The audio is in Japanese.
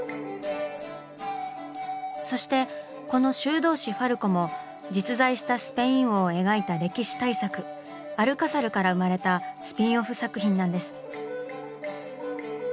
そしてこの「修道士ファルコ」も実在したスペイン王を描いた歴史大作「アルカサル」から生まれたスピンオフ作品なんです。